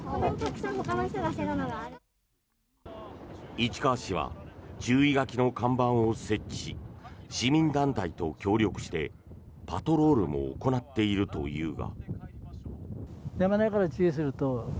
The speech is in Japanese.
市川市は注意書きの看板を設置し市民団体と協力してパトロールも行っているというが。